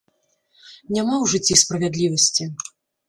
Няма ў жыцці справядлівасці!